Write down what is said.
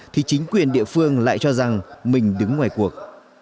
thì chính quyền địa phương lại cho rằng mình đứng ngoài cuộc